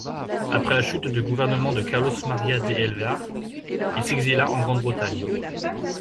Après la chute du gouvernement de Carlos María de Alvear, il s'exila en Grande-Bretagne.